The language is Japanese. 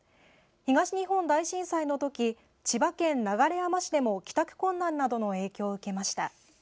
東日本大震災のとき千葉県流山市でも帰宅困難などの影響を受けました。